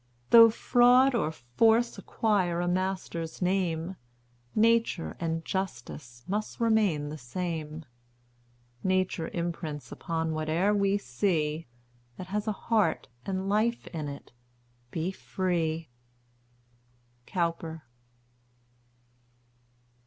Though fraud or force acquire a master's name, Nature and justice must remain the same; Nature imprints upon whate'er we see, That has a heart and life in it, BE FREE!" COWPER.